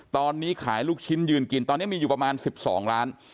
ตอนนี้ขายลูกชิ้นยืนกินตอนนี้มีอยู่ประมาณ๑๒ล้าน